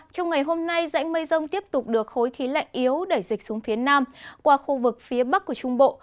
trong ngày hôm nay dãnh mây rông tiếp tục được khối khí lạnh yếu đẩy dịch xuống phía nam qua khu vực phía bắc của trung bộ